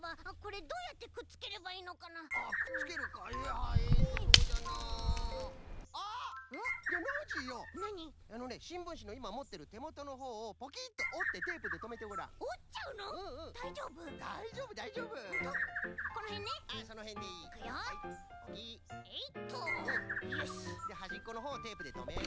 ではじっこのほうをテープでとめる。